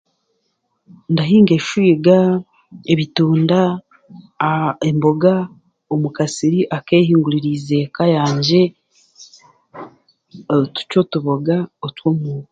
Ndahinga eshwiga, ebitunda, aaa, emboga, mu kasiri akeehinguririize eeka yangye tucwe otuboga otwomuuka.